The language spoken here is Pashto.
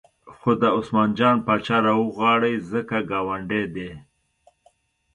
خو دا عثمان جان پاچا راوغواړئ ځکه ګاونډی دی.